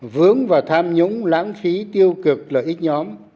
vướng vào tham nhũng lãng phí tiêu cực lợi ích